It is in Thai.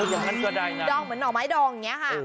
ดองเหมือนหน่อม้ายดองอย่างนี้ค่ะ